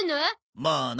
まあな。